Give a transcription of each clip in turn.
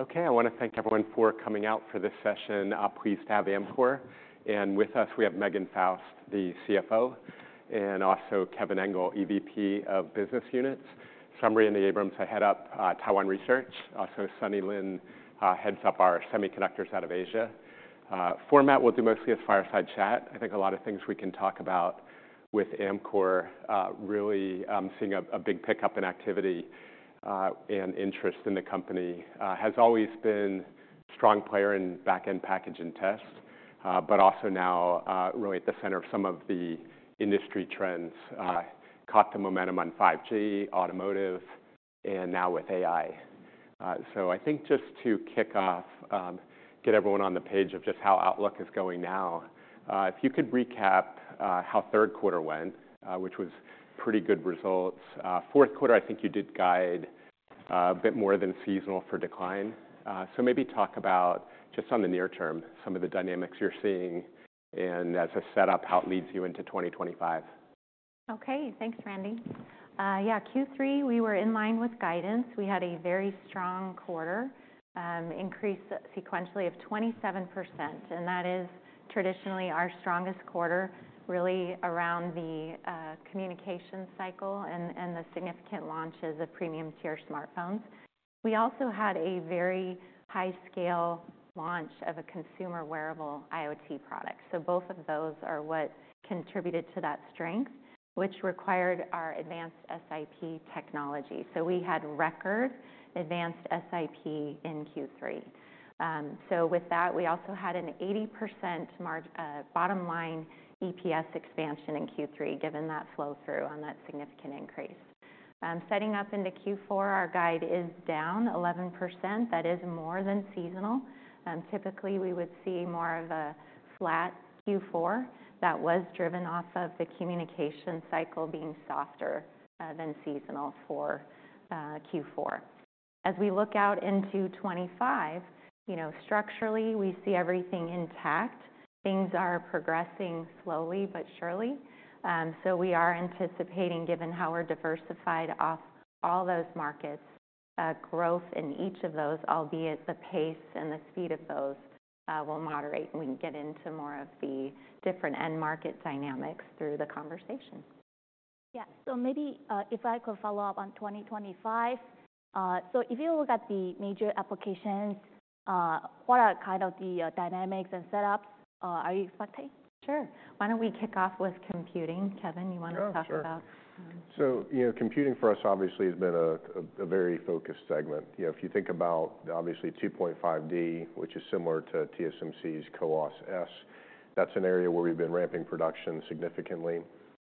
Okay, I want to thank everyone for coming out for this session. Pleased to have Amkor. And with us, we have Megan Faust, the CFO, and also Kevin Engel, EVP of Business Units. Randy Abrams heads up Taiwan Research. Also, Sunny Lin heads up our semiconductors out of Asia. The format will be mostly a fireside chat. I think a lot of things we can talk about with Amkor really seeing a big pickup in activity and interest in the company. It has always been a strong player in back-end packaging and test, but also now really at the center of some of the industry trends. It caught the momentum on 5G, automotive, and now with AI. So I think just to kick off, get everyone on the same page of just how the outlook is going now. If you could recap how third quarter went, which was pretty good results. Fourth quarter, I think you did guide a bit more than seasonal for decline. So maybe talk about just on the near term some of the dynamics you're seeing and, as a setup, how it leads you into 2025. Okay, thanks, Randy. Yeah, Q3, we were in line with guidance. We had a very strong quarter, increase sequentially of 27%. And that is traditionally our strongest quarter, really around the communication cycle and the significant launches of premium tier smartphones. We also had a very high scale launch of a consumer wearable IoT product. So both of those are what contributed to that strength, which required our advanced SiP technology. So we had record advanced SiP in Q3. So with that, we also had an 80% bottom line EPS expansion in Q3, given that flow through on that significant increase. Setting up into Q4, our guide is down 11%. That is more than seasonal. Typically, we would see more of a flat Q4. That was driven off of the communication cycle being softer than seasonal for Q4. As we look out into 2025, structurally, we see everything intact. Things are progressing slowly but surely, so we are anticipating, given how we're diversified off all those markets, growth in each of those, albeit the pace and the speed of those will moderate and we can get into more of the different end market dynamics through the conversation. Yeah, so maybe if I could follow up on 2025. So if you look at the major applications, what kind of dynamics and setups are you expecting? Sure. Why don't we kick off with computing, Kevin, you want to talk about? Computing for us obviously has been a very focused segment. If you think about obviously 2.5D, which is similar to TSMC's CoWoS-S, that's an area where we've been ramping production significantly.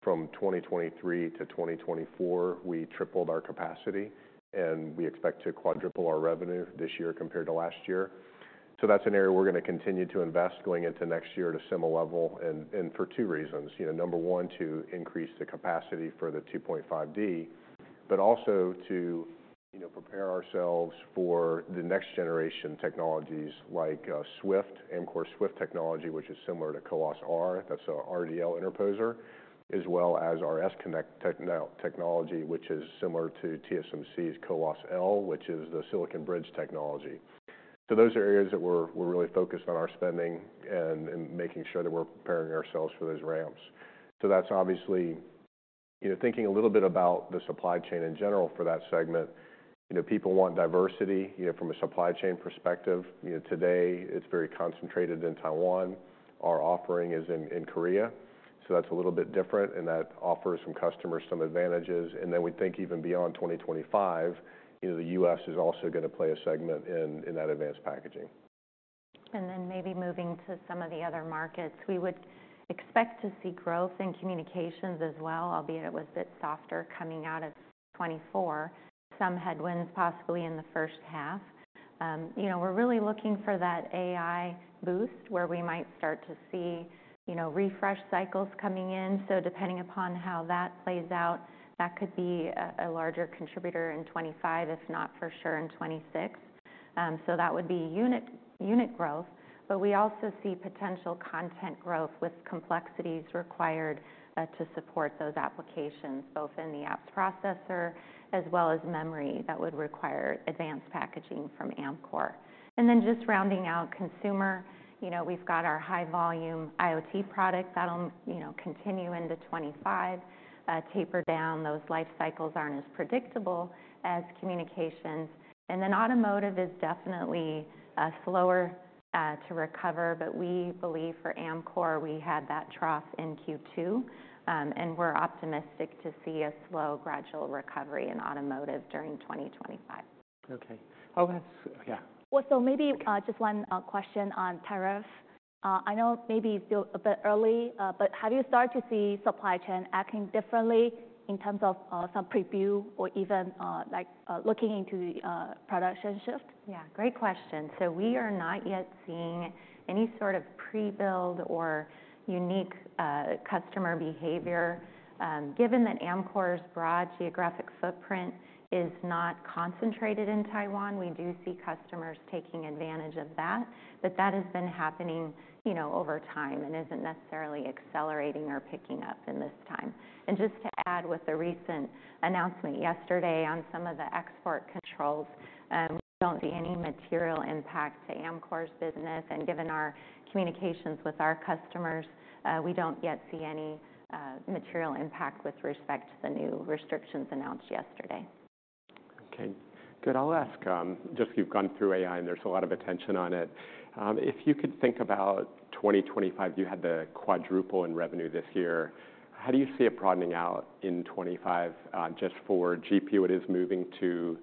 From 2023 to 2024, we tripled our capacity and we expect to quadruple our revenue this year compared to last year. That's an area we're going to continue to invest going into next year at a similar level and for two reasons. Number one, to increase the capacity for the 2.5D, but also to prepare ourselves for the next generation technologies like SWIFT, Amkor SWIFT technology, which is similar to CoWoS-R, that's our RDL interposer, as well as our S-Connect technology, which is similar to TSMC's CoWoS-L, which is the silicon bridge technology. Those are areas that we're really focused on our spending and making sure that we're preparing ourselves for those ramps. So that's obviously thinking a little bit about the supply chain in general for that segment. People want diversity from a supply chain perspective. Today, it's very concentrated in Taiwan. Our offering is in Korea. So that's a little bit different and that offers some customers some advantages. And then we think even beyond 2025, the U.S. is also going to play a segment in that advanced packaging. Then maybe moving to some of the other markets, we would expect to see growth in communications as well, albeit it was a bit softer coming out of 2024. Some headwinds possibly in the first half. We're really looking for that AI boost where we might start to see refresh cycles coming in. Depending upon how that plays out, that could be a larger contributor in 2025, if not for sure in 2026. That would be unit growth. We also see potential content growth with complexities required to support those applications, both in the apps processor as well as memory that would require advanced packaging from Amkor. Just rounding out consumer, we've got our high volume IoT product. That'll continue into 2025, taper down. Those life cycles aren't as predictable as communications. And then automotive is definitely slower to recover, but we believe for Amkor we had that trough in Q2 and we're optimistic to see a slow gradual recovery in automotive during 2025. Okay. Oh, yeah. Well, so maybe just one question on tariff. I know maybe still a bit early, but have you started to see supply chain acting differently in terms of some preview or even looking into production shift? Yeah, great question. So we are not yet seeing any sort of pre-build or unique customer behavior. Given that Amkor's broad geographic footprint is not concentrated in Taiwan, we do see customers taking advantage of that. But that has been happening over time and isn't necessarily accelerating or picking up in this time. And just to add with the recent announcement yesterday on some of the export controls, we don't see any material impact to Amkor's business. And given our communications with our customers, we don't yet see any material impact with respect to the new restrictions announced yesterday. Okay, good. I'll ask, just because you've gone through AI and there's a lot of attention on it. If you could think about 2025, you had the quadruple in revenue this year. How do you see it broadening out in 2025? Just for GPU, it is moving to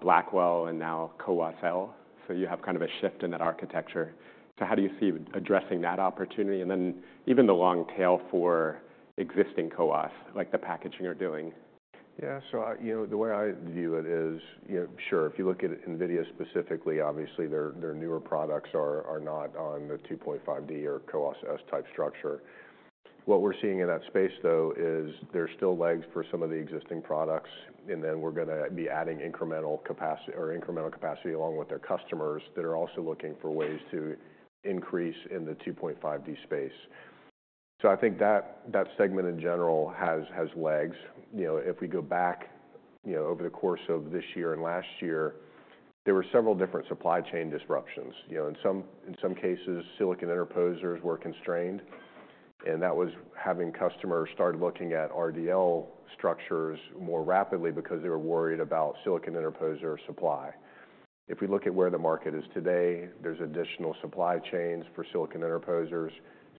Blackwell and now CoWoS-L, so you have kind of a shift in that architecture, so how do you see addressing that opportunity? And then even the long tail for existing CoWoS, like the packaging you're doing. Yeah, so the way I view it is, sure, if you look at NVIDIA specifically, obviously their newer products are not on the 2.5D or CoWoS-S type structure. What we're seeing in that space though is there's still legs for some of the existing products, and then we're going to be adding incremental capacity along with their customers that are also looking for ways to increase in the 2.5D space, so I think that segment in general has legs. If we go back over the course of this year and last year, there were several different supply chain disruptions. In some cases, silicon interposers were constrained, and that was having customers start looking at RDL structures more rapidly because they were worried about silicon interposer supply. If we look at where the market is today, there's additional supply chains for silicon interposers.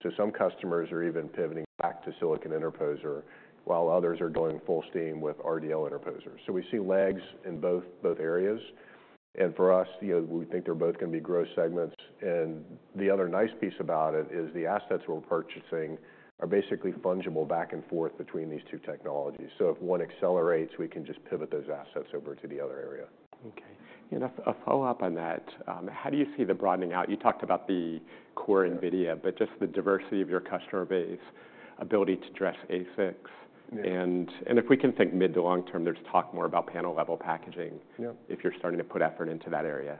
So some customers are even pivoting back to silicon interposer while others are going full steam with RDL interposers. So we see legs in both areas. And for us, we think they're both going to be growth segments. And the other nice piece about it is the assets we're purchasing are basically fungible back and forth between these two technologies. So if one accelerates, we can just pivot those assets over to the other area. Okay. And a follow-up on that. How do you see the broadening out? You talked about the core NVIDIA, but just the diversity of your customer base, ability to address ASICs. And if we can think mid to long term, there's talk more about panel level packaging if you're starting to put effort into that area.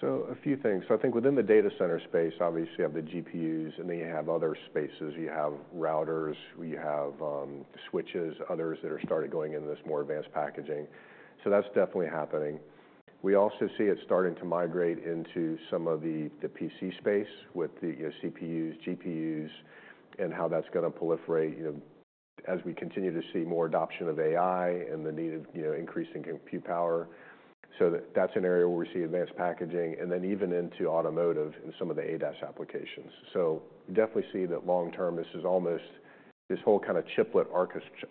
So a few things. So I think within the data center space, obviously you have the GPUs and then you have other spaces. You have routers, you have switches, others that are started going in this more advanced packaging. So that's definitely happening. We also see it starting to migrate into some of the PC space with the CPUs, GPUs, and how that's going to proliferate as we continue to see more adoption of AI and the need of increasing compute power. So that's an area where we see advanced packaging and then even into automotive and some of the ADAS applications. So we definitely see that long term, this is almost this whole kind of chiplet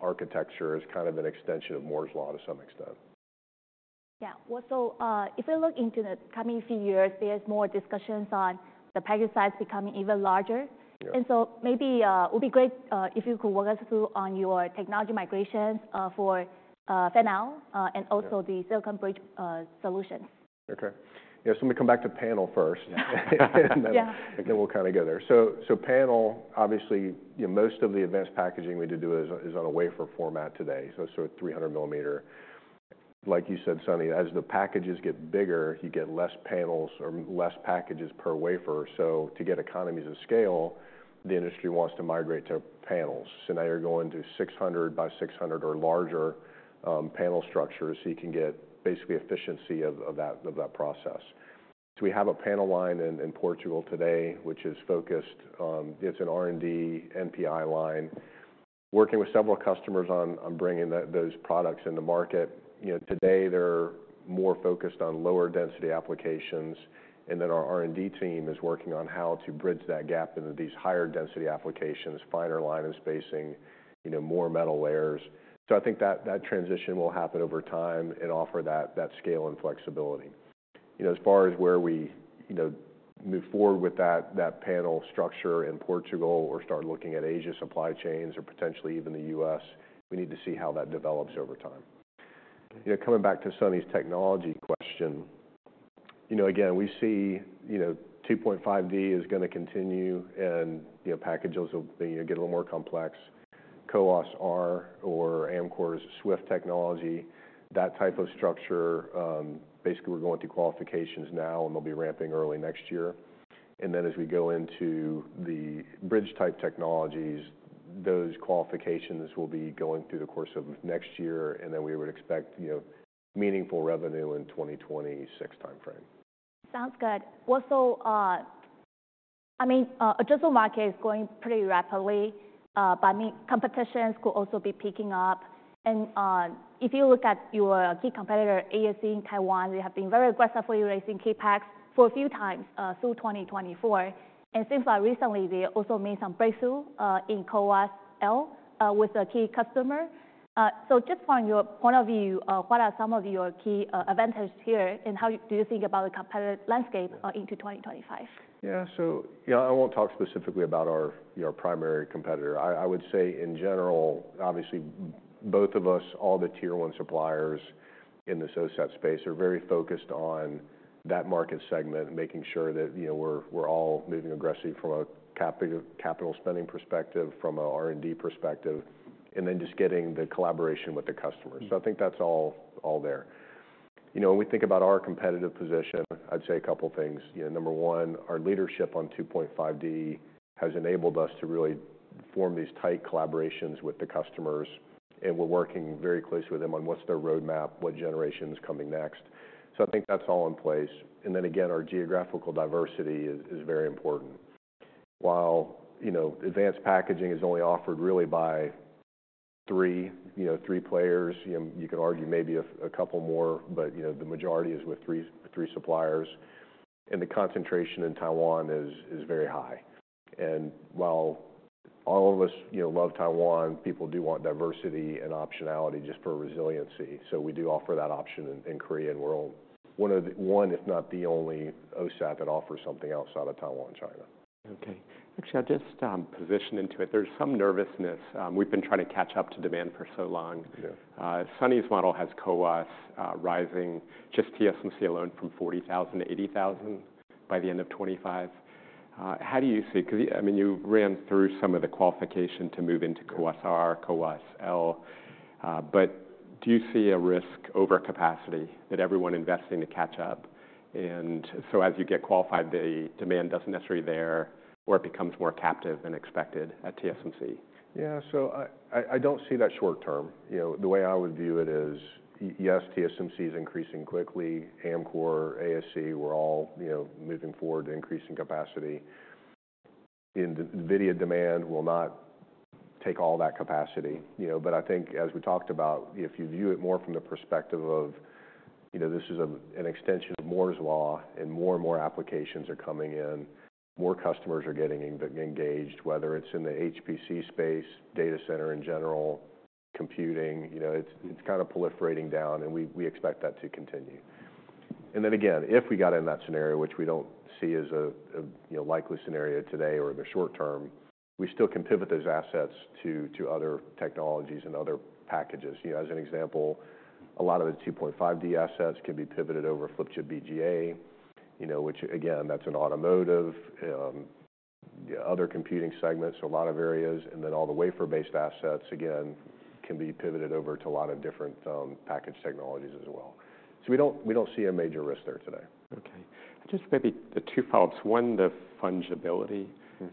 architecture is kind of an extension of Moore's Law to some extent. Yeah, well, so if we look into the coming few years, there's more discussions on the package size becoming even larger, and so maybe it would be great if you could walk us through on your technology migrations for panel and also the silicon bridge solutions. Okay. Yeah, so we come back to panel first, and then we'll kind of go there. So panel, obviously most of the advanced packaging we do is on a wafer format today. So it's sort of 300 millimeter. Like you said, Sunny, as the packages get bigger, you get less panels or less packages per wafer. So to get economies of scale, the industry wants to migrate to panels. So now you're going to 600 by 600 or larger panel structures so you can get basically efficiency of that process. So we have a panel line in Portugal today, which is focused. It's an R&D NPI line, working with several customers on bringing those products into market. Today, they're more focused on lower density applications. And then our R&D team is working on how to bridge that gap into these higher density applications, finer line of spacing, more metal layers. I think that transition will happen over time and offer that scale and flexibility. As far as where we move forward with that panel structure in Portugal or start looking at Asia supply chains or potentially even the U.S., we need to see how that develops over time. Coming back to Sunny's technology question, again, we see 2.5D is going to continue and packages will get a little more complex. CoWoS-R or Amkor's SWIFT technology, that type of structure, basically we're going through qualifications now and they'll be ramping early next year. As we go into the bridge type technologies, those qualifications will be going through the course of next year. We would expect meaningful revenue in 2026 timeframe. Sounds good. Well, so I mean, addressable market is going pretty rapidly, but competitions could also be picking up. And if you look at your key competitor, ASE in Taiwan, they have been very aggressively raising CapEx for a few times through 2024. And seems like recently they also made some breakthrough in CoWoS-L with a key customer. So just from your point of view, what are some of your key advantages here and how do you think about the competitive landscape into 2025? Yeah, so yeah, I won't talk specifically about our primary competitor. I would say in general, obviously both of us, all the tier one suppliers in the SoC space are very focused on that market segment, making sure that we're all moving aggressively from a capital spending perspective, from an R&D perspective, and then just getting the collaboration with the customers. So I think that's all there. When we think about our competitive position, I'd say a couple of things. Number one, our leadership on 2.5D has enabled us to really form these tight collaborations with the customers. And we're working very closely with them on what's their roadmap, what generation is coming next. So I think that's all in place. And then again, our geographical diversity is very important. While advanced packaging is only offered really by three players, you can argue maybe a couple more, but the majority is with three suppliers, and the concentration in Taiwan is very high, and while all of us love Taiwan, people do want diversity and optionality just for resiliency, so we do offer that option in Korea and we're one if not the only OSAT that offers something outside of Taiwan and China. Okay. Actually, I'll just position into it. There's some nervousness. We've been trying to catch up to demand for so long. Sunny's model has CoWoS rising, just TSMC alone from 40,000 to 80,000 by the end of 2025. How do you see? Because I mean, you ran through some of the qualification to move into CoWoS-R, CoWoS-L. But do you see a risk over capacity that everyone investing to catch up? And so as you get qualified, the demand doesn't necessarily there or it becomes more captive than expected at TSMC? Yeah, so I don't see that short term. The way I would view it is, yes, TSMC is increasing quickly. Amkor, ASE, we're all moving forward to increasing capacity. NVIDIA demand will not take all that capacity. But I think as we talked about, if you view it more from the perspective of this is an extension of Moore's Law and more and more applications are coming in, more customers are getting engaged, whether it's in the HPC space, data center in general, computing. It's kind of proliferating down and we expect that to continue. And then again, if we got in that scenario, which we don't see as a likely scenario today or in the short term, we still can pivot those assets to other technologies and other packages. As an example, a lot of the 2.5D assets can be pivoted over Flip Chip BGA, which again, that's an automotive, other computing segments, a lot of areas, and then all the wafer-based assets, again, can be pivoted over to a lot of different package technologies as well, so we don't see a major risk there today. Okay. Just maybe the two follow-ups. One, the fungibility.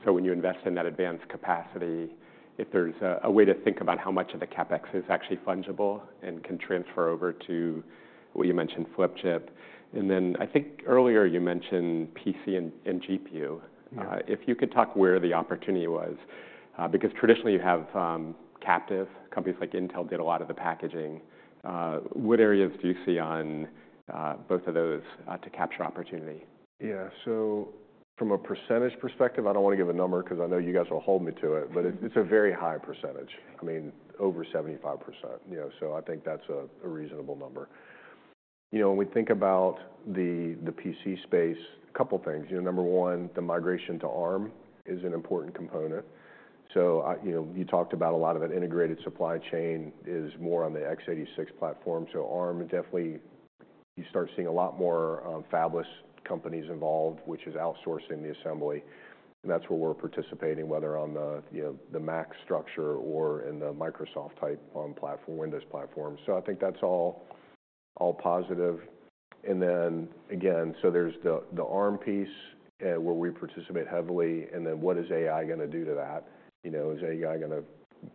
So when you invest in that advanced capacity, if there's a way to think about how much of the CapEx is actually fungible and can transfer over to what you mentioned, Flip Chip. And then I think earlier you mentioned PC and GPU. If you could talk where the opportunity was, because traditionally you have captive, companies like Intel did a lot of the packaging. What areas do you see on both of those to capture opportunity? Yeah, so from a percentage perspective, I don't want to give a number because I know you guys will hold me to it, but it's a very high percentage. I mean, over 75%. So I think that's a reasonable number. When we think about the PC space, a couple of things. Number one, the migration to Arm is an important component. So you talked about a lot of it. Integrated supply chain is more on the x86 platform. So Arm definitely, you start seeing a lot more fabless companies involved, which is outsourcing the assembly. And that's where we're participating, whether on the Arm architecture or in the Microsoft ecosystem on Windows platform. So I think that's all positive. And then again, so there's the Arm piece where we participate heavily. And then what is AI going to do to that? Is AI going to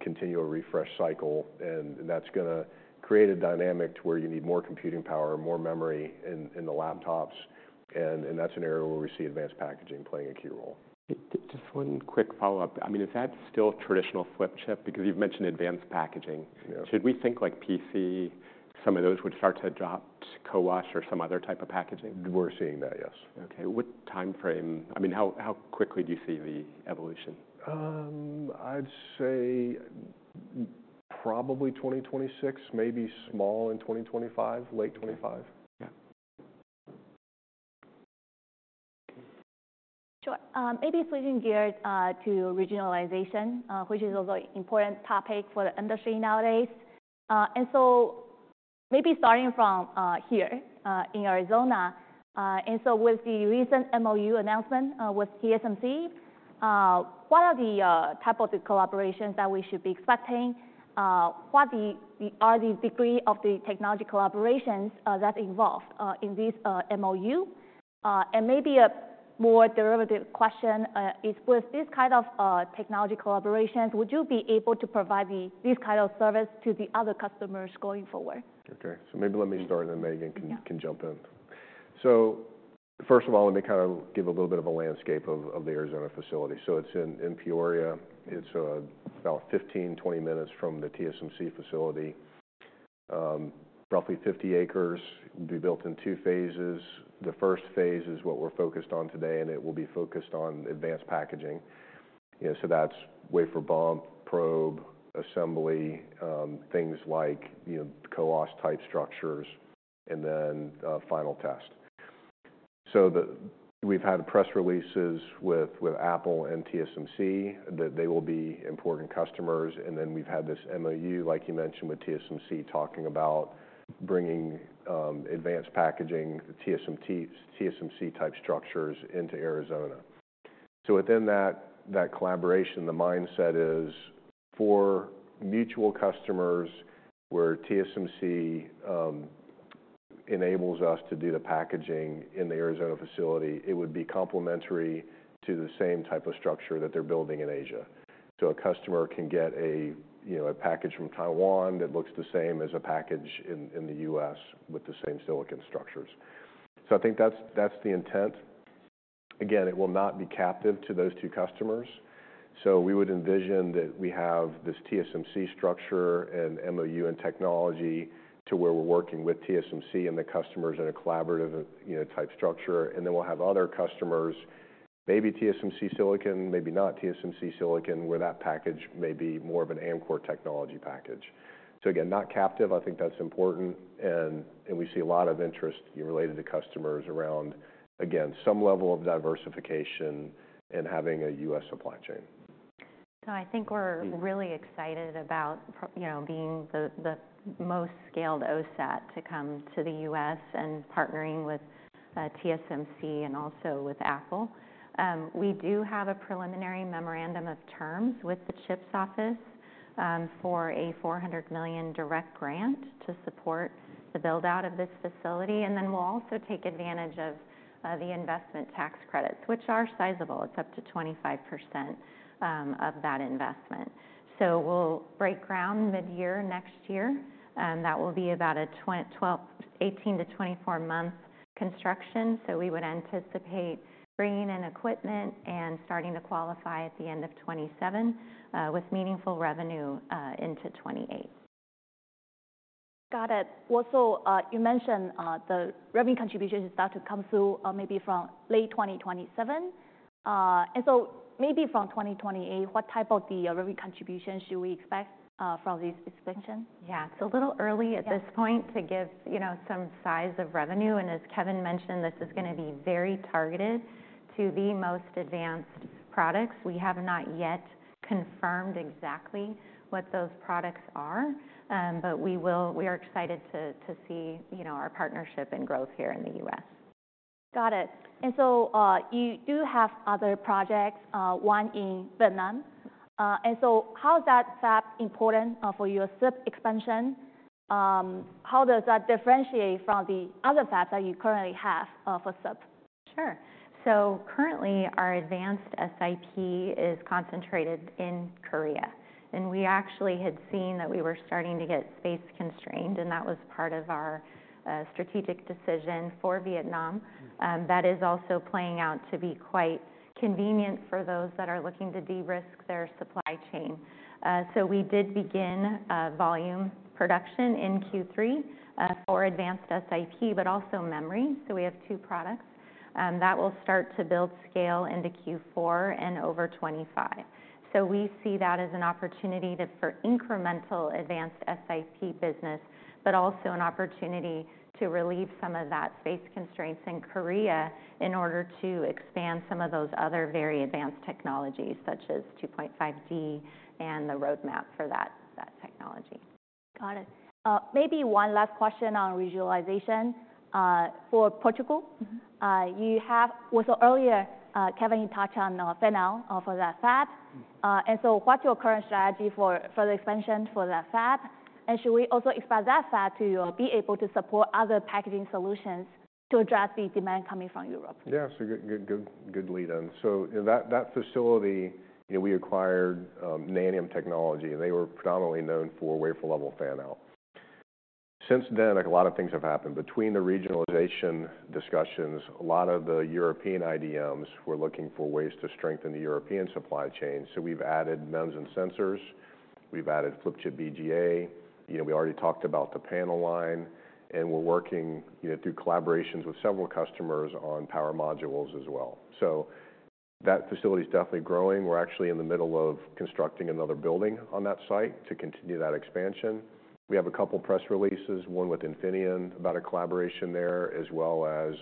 continue a refresh cycle? That's going to create a dynamic to where you need more computing power, more memory in the laptops. That's an area where we see advanced packaging playing a key role. Just one quick follow-up. I mean, is that still traditional Flip Chip? Because you've mentioned advanced packaging. Should we think like PC, some of those would start to adopt CoWoS or some other type of packaging? We're seeing that, yes. Okay. What timeframe? I mean, how quickly do you see the evolution? I'd say probably 2026, maybe small in 2025, late 2025. Yeah. Sure. Maybe switching gears to regionalization, which is also an important topic for the industry nowadays, and so maybe starting from here in Arizona, and so with the recent MOU announcement with TSMC, what are the types of collaborations that we should be expecting? What are the degrees of the technology collaborations that are involved in this MOU? And maybe a more derivative question is with this kind of technology collaborations, would you be able to provide this kind of service to the other customers going forward? Okay, so maybe let me start and then Megan can jump in. So first of all, let me kind of give a little bit of a landscape of the Arizona facility. It's in Peoria. It's about 15-20 minutes from the TSMC facility. Roughly 50 acres. It will be built in two phases. The first phase is what we're focused on today, and it will be focused on advanced packaging. So that's wafer bump, probe, assembly, things like CoWoS type structures, and then final test. So we've had press releases with Apple and TSMC that they will be important customers. And then we've had this MOU, like you mentioned, with TSMC talking about bringing advanced packaging, TSMC type structures into Arizona. So within that collaboration, the mindset is for mutual customers where TSMC enables us to do the packaging in the Arizona facility. It would be complementary to the same type of structure that they're building in Asia. So a customer can get a package from Taiwan that looks the same as a package in the U.S. with the same silicon structures. So I think that's the intent. Again, it will not be captive to those two customers. So we would envision that we have this TSMC structure and MOU and technology to where we're working with TSMC and the customers in a collaborative type structure. And then we'll have other customers, maybe TSMC silicon, maybe not TSMC silicon, where that package may be more of an Amkor technology package. So again, not captive. I think that's important. We see a lot of interest related to customers around, again, some level of diversification and having a U.S. supply chain. So I think we're really excited about being the most scaled OSAT to come to the U.S. and partnering with TSMC and also with Apple. We do have a preliminary memorandum of terms with the CHIPS Office for a $400 million direct grant to support the build-out of this facility. And then we'll also take advantage of the investment tax credits, which are sizable. It's up to 25% of that investment. So we'll break ground mid-year next year. That will be about an 18- to 24-month construction. So we would anticipate bringing in equipment and starting to qualify at the end of 2027 with meaningful revenue into 2028. Got it. Well, so you mentioned the revenue contribution is starting to come through maybe from late 2027. And so maybe from 2028, what type of the revenue contribution should we expect from this expansion? Yeah, it's a little early at this point to give some size of revenue. And as Kevin mentioned, this is going to be very targeted to the most advanced products. We have not yet confirmed exactly what those products are, but we are excited to see our partnership and growth here in the U.S. Got it. And so you do have other projects, one in Vietnam. And so how is that FAB important for your SiP expansion? How does that differentiate from the other FABs that you currently have for SiP? Sure. So currently, our advanced SiP is concentrated in Korea. And we actually had seen that we were starting to get space constrained, and that was part of our strategic decision for Vietnam. That is also playing out to be quite convenient for those that are looking to de-risk their supply chain. So we did begin volume production in Q3 for advanced SiP, but also memory. So we have two products that will start to build scale into Q4 and over 2025. So we see that as an opportunity for incremental advanced SiP business, but also an opportunity to relieve some of that space constraints in Korea in order to expand some of those other very advanced technologies such as 2.5D and the roadmap for that technology. Got it. Maybe one last question on regionalization for Portugal. You have also earlier, Kevin touched on Panel for that FAB. And so what's your current strategy for the expansion for that FAB? And should we also expand that FAB to be able to support other packaging solutions to address the demand coming from Europe? Yeah, so good lead-in. So that facility, we acquired Nanium, and they were predominantly known for wafer-level fan-out. Since then, a lot of things have happened. Between the regionalization discussions, a lot of the European IDMs were looking for ways to strengthen the European supply chain. So we've added MEMS and sensors. We've added Flip Chip BGA. We already talked about the panel line, and we're working through collaborations with several customers on power modules as well. So that facility is definitely growing. We're actually in the middle of constructing another building on that site to continue that expansion. We have a couple of press releases, one with Infineon about a collaboration there, as well as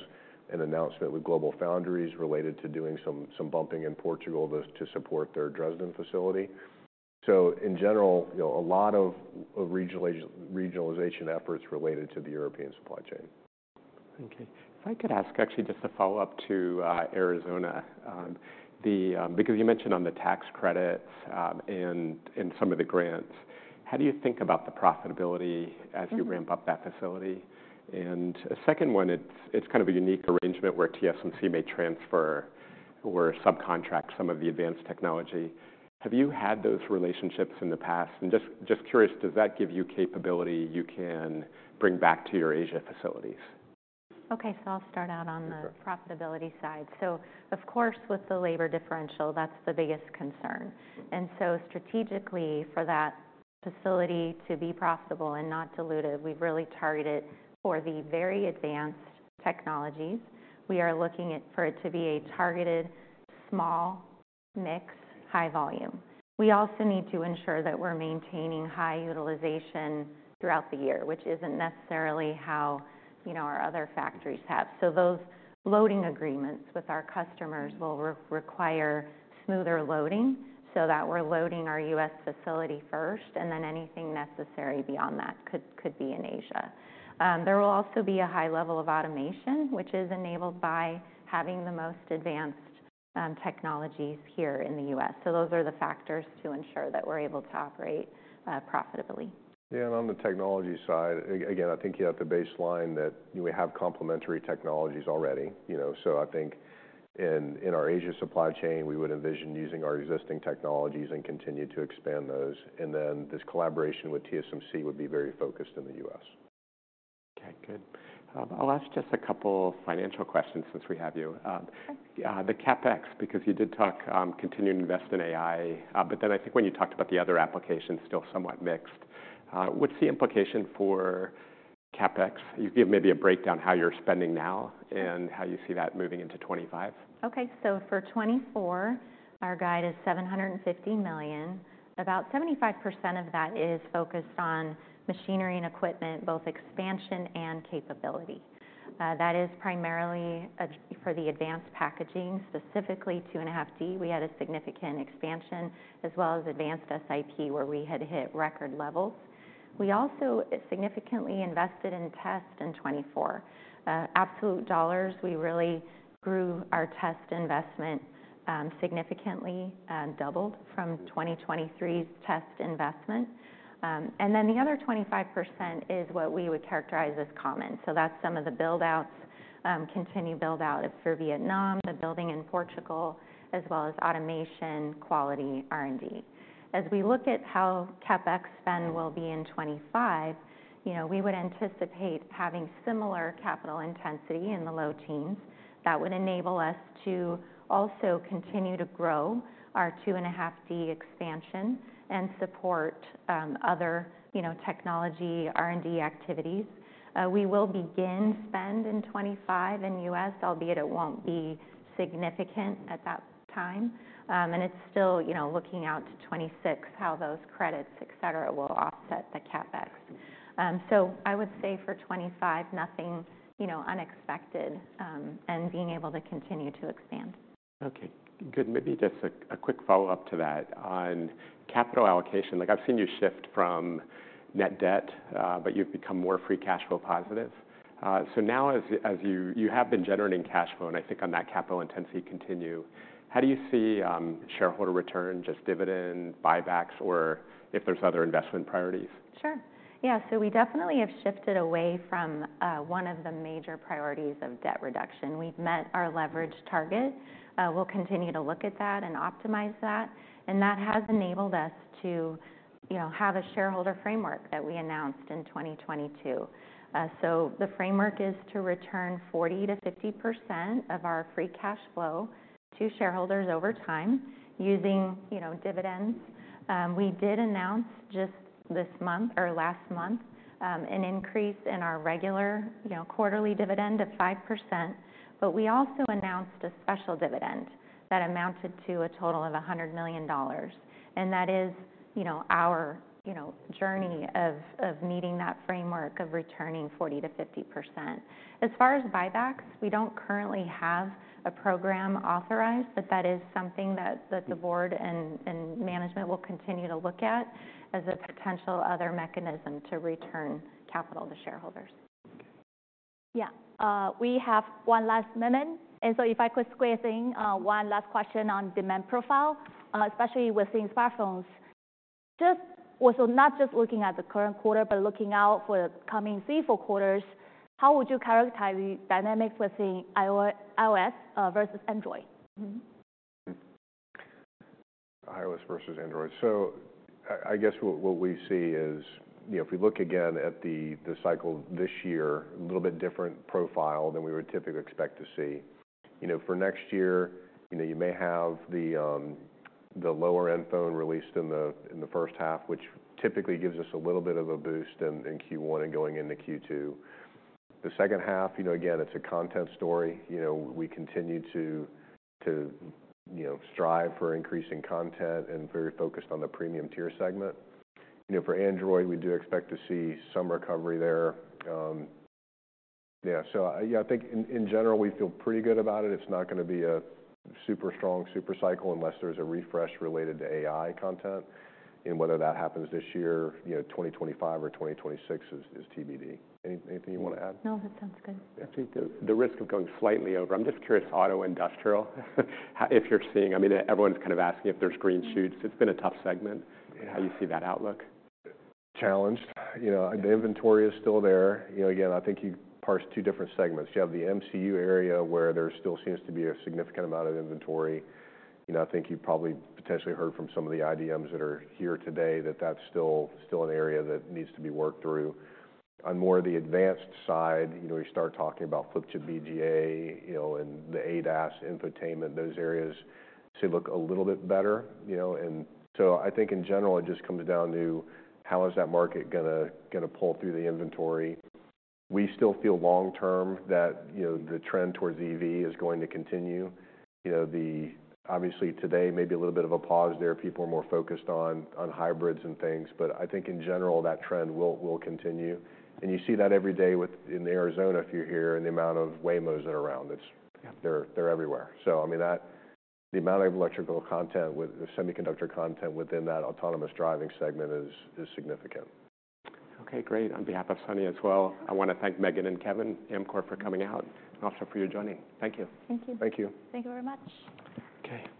an announcement with GlobalFoundries related to doing some bumping in Portugal to support their Dresden facility. So in general, a lot of regionalization efforts related to the European supply chain. Okay. If I could ask actually just a follow-up to Arizona, because you mentioned on the tax credits and some of the grants, how do you think about the profitability as you ramp up that facility? And a second one, it's kind of a unique arrangement where TSMC may transfer or subcontract some of the advanced technology. Have you had those relationships in the past? And just curious, does that give you capability you can bring back to your Asia facilities? Okay, so I'll start out on the profitability side. So of course, with the labor differential, that's the biggest concern. And so strategically for that facility to be profitable and not diluted, we've really targeted for the very advanced technologies. We are looking for it to be a targeted, small, mixed, high volume. We also need to ensure that we're maintaining high utilization throughout the year, which isn't necessarily how our other factories have. So those loading agreements with our customers will require smoother loading so that we're loading our U.S. facility first, and then anything necessary beyond that could be in Asia. There will also be a high level of automation, which is enabled by having the most advanced technologies here in the U.S. So those are the factors to ensure that we're able to operate profitably. Yeah, and on the technology side, again, I think you have the baseline that we have complementary technologies already. So I think in our Asia supply chain, we would envision using our existing technologies and continue to expand those. And then this collaboration with TSMC would be very focused in the US. Okay, good. I'll ask just a couple of financial questions since we have you. The CapEx, because you did talk continuing to invest in AI, but then I think when you talked about the other applications, still somewhat mixed. What's the implication for CapEx? You give maybe a breakdown how you're spending now and how you see that moving into 2025. Okay, so for 2024, our guide is $750 million. About 75% of that is focused on machinery and equipment, both expansion and capability. That is primarily for the advanced packaging, specifically 2.5D. We had a significant expansion as well as advanced SiP where we had hit record levels. We also significantly invested in test in 2024. Absolute dollars, we really grew our test investment significantly and doubled from 2023's test investment. And then the other 25% is what we would characterize as common. So that's some of the build-outs, continued build-out for Vietnam, the building in Portugal, as well as automation, quality, R&D. As we look at how CapEx spend will be in 2025, we would anticipate having similar capital intensity in the low teens. That would enable us to also continue to grow our 2.5D expansion and support other technology, R&D activities. We will begin spend in 2025 in U.S., albeit it won't be significant at that time, and it's still looking out to 2026 how those credits, etc., will offset the CapEx, so I would say for 2025, nothing unexpected and being able to continue to expand. Okay, good. Maybe just a quick follow-up to that on capital allocation. Like I've seen you shift from net debt, but you've become more free cash flow positive. So now as you have been generating cash flow, and I think on that capital intensity continue, how do you see shareholder return, just dividend buybacks, or if there's other investment priorities? Sure. Yeah, so we definitely have shifted away from one of the major priorities of debt reduction. We've met our leverage target. We'll continue to look at that and optimize that, and that has enabled us to have a shareholder framework that we announced in 2022, so the framework is to return 40%-50% of our free cash flow to shareholders over time using dividends. We did announce just this month or last month an increase in our regular quarterly dividend of 5%, but we also announced a special dividend that amounted to a total of $100 million, and that is our journey of meeting that framework of returning 40%-50%. As far as buybacks, we don't currently have a program authorized, but that is something that the board and management will continue to look at as a potential other mechanism to return capital to shareholders. Yeah, we have one last minute. And so if I could squeeze in one last question on demand profile, especially within smartphones. Just also not just looking at the current quarter, but looking out for the coming three or four quarters, how would you characterize the dynamic within iOS versus Android? iOS versus Android. So I guess what we see is if we look again at the cycle this year, a little bit different profile than we would typically expect to see. For next year, you may have the lower-end phone released in the first half, which typically gives us a little bit of a boost in Q1 and going into Q2. The second half, again, it's a content story. We continue to strive for increasing content and very focused on the premium tier segment. For Android, we do expect to see some recovery there. Yeah, so I think in general, we feel pretty good about it. It's not going to be a super strong supercycle unless there's a refresh related to AI content. And whether that happens this year, 2025 or 2026 is TBD. Anything you want to add? No, that sounds good. I think the risk of going slightly over. I'm just curious, auto industrial, if you're seeing, I mean, everyone's kind of asking if there's green shoots. It's been a tough segment. How do you see that outlook? Challenged. The inventory is still there. Again, I think you parse two different segments. You have the MCU area where there still seems to be a significant amount of inventory. I think you probably potentially heard from some of the IDMs that are here today that that's still an area that needs to be worked through. On more of the advanced side, we start talking about Flip Chip BGA and the ADAS infotainment. Those areas seem to look a little bit better. And so I think in general, it just comes down to how is that market going to pull through the inventory. We still feel long-term that the trend towards EV is going to continue. Obviously, today, maybe a little bit of a pause there. People are more focused on hybrids and things, but I think in general, that trend will continue. And you see that every day in Arizona if you're here and the amount of Waymos that are around. They're everywhere. So I mean, the amount of electrical content with semiconductor content within that autonomous driving segment is significant. Okay, great. On behalf of Sunny as well, I want to thank Megan and Kevin from Amkor for coming out and also for your joining. Thank you. Thank you. Thank you. Thank you very much. Okay.